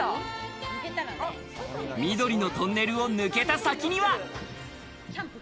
緑のトンネルを抜けたその先には。